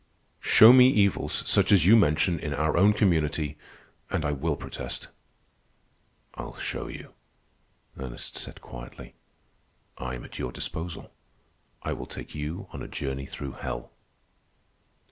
"Show me evils, such as you mention, in our own community, and I will protest." "I'll show you," Ernest said quietly. "I am at your disposal. I will take you on a journey through hell."